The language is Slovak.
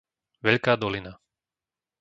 Veľká Dolina